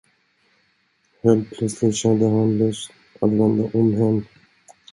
Helt plötsligt kände han lust att vända om hem.